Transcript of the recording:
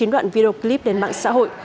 chín đoạn video clip đến mạng xã hội